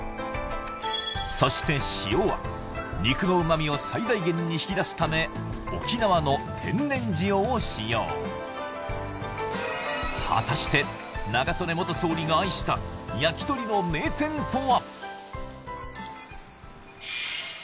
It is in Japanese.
そして塩は肉の旨味を最大限に引き出すため果たして中曽根元総理が愛した焼き鳥の名店とは？